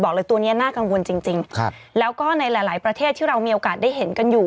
เลยตัวนี้น่ากังวลจริงครับแล้วก็ในหลายประเทศที่เรามีโอกาสได้เห็นกันอยู่